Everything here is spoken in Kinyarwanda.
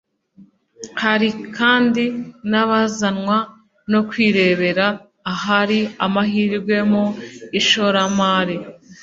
Hari kandi n'abazanwa no kwirebera ahari amahirwe mu ishoramari